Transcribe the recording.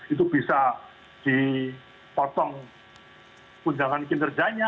itu bisa dipotong undangan kinerjanya